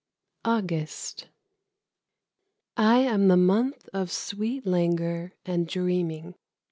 AUGUST. I am the month of sweet langour and dreaming.